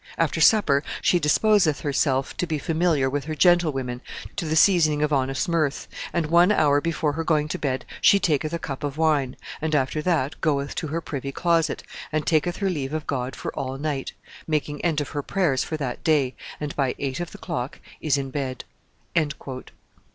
After supper she disposeth herself to be famyliare with her gentlewomen to the seasoning of honest myrthe, and one hower before her going to bed she taketh a cup of wine, and after that goeth to her pryvie closette, and taketh her leave of God for all nighte, makinge end of her prayers for that daye, and by eighte of the clocke is in bedde."